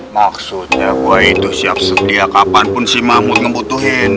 maksudnya gue itu siap setiap kapanpun si mahmud ngebutuhin